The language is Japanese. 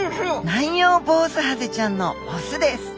ナンヨウボウズハゼちゃんのオスです。